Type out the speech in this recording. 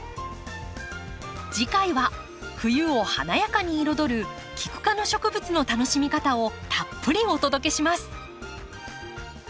次回は冬を華やかに彩るキク科の植物の楽しみ方をたっぷりお届けします。